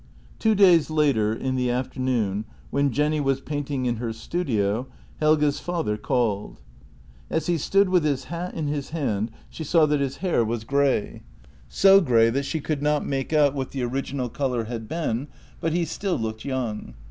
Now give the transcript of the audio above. Ill T WO days later, in the afternoon, when Jenny was painting in her studio, Helge's father called. As he stood with his hat in his hand, she saw that his hair was grey — so grey that she could not make out what the original colour had been, but he still looked young.